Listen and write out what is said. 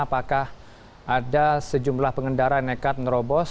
apakah ada sejumlah pengendara yang nekat menerobos